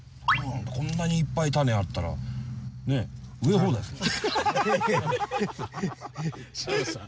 こんなにいっぱい種あったら植え放題ですね。